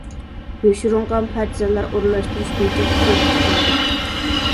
يوشۇرۇنغان پارتىزانلار ئورۇنلاشتۇرۇش بويىچە ئوق چىقىرىدۇ.